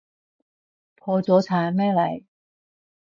破咗產咩你？